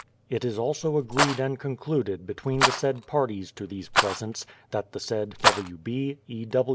It is also agreed and concluded between the said parties to these presents, that the said W. B., E.